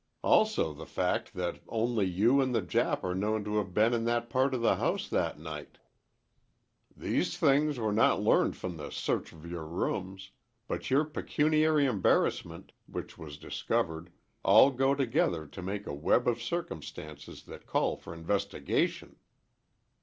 Also the fact that only you and the Jap are known to have been in that part of the house that night. These things were not learned from the search of your rooms; but your pecuniary embarrassment, which was discovered, all go together to make a web of circumstances that call for investigation."